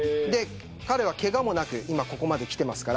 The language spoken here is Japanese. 彼は、けがもなくここまで来ています。